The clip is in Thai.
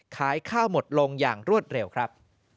ขายข้าวหมดลงอย่างรวดเร็วครับ